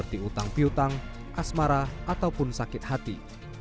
diutang piutang asmara ataupun sakit hati